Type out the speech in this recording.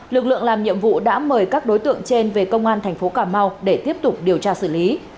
lực lượng làm nhiệm vụ đã mời các đối tượng trên về công an thành phố cà mau để tiếp tục điều tra xử lý